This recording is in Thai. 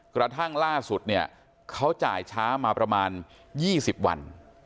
กระทั่งล่าสุดเนี่ยเขาจ่ายช้ามาประมาณ๒๐วัน